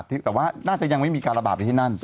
แต่ว่าน่าจะยังไม่มีการระบาดไปที่นั่น